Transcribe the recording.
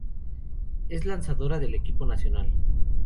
Es lanzadora del equipo nacional.